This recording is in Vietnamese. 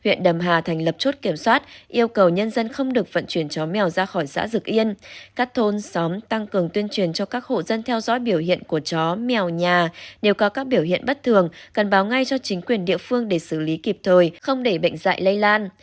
huyện đầm hà thành lập chốt kiểm soát yêu cầu nhân dân không được vận chuyển chó mèo ra khỏi xã dực yên các thôn xóm tăng cường tuyên truyền cho các hộ dân theo dõi biểu hiện của chó mèo nhà nếu có các biểu hiện bất thường cần báo ngay cho chính quyền địa phương để xử lý kịp thời không để bệnh dạy lây lan